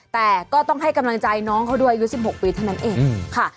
แต่ก็ต้องให้กำลังใจน้องเขาด้วยอายุ๑๖ปีเท่านั้นเองค่ะ